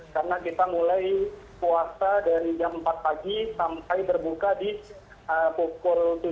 jadi puasa dari jam empat pagi sampai berbuka di pukul tujuh malam ya maghribnya